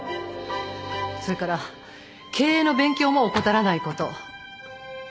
それから経営の勉強も怠らないこと。